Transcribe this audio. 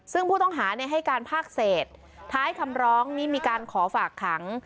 ซึ่งผู้ต้องหาให้การภาคเศษท้ายคำร้องนี้มีการขอฝากขัง